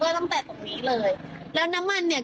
แล้วก็สายเนี่ยก็มีน้ำมันหยดออกมาให้เหนียวต่าง